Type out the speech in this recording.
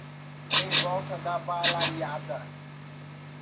Revolta da Balaiada